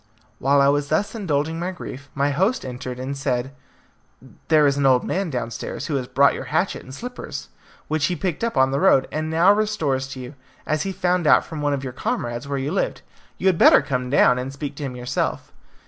While I was thus indulging my grief my host entered, and said, "There is an old man downstairs who has brought your hatchet and slippers, which he picked up on the road, and now restores to you, as he found out from one of your comrades where you lived. You had better come down and speak to him yourself."